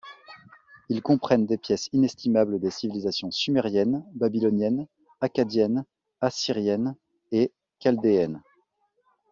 Ils comprennent des pièces inestimables des civilisations sumérienne, babylonienne, akkadienne, assyrienne et chaldéenne.